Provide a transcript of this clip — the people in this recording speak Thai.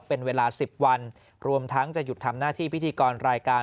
เป็นเวลา๑๐วันรวมทั้งจะหยุดทำหน้าที่พิธีกรรายการ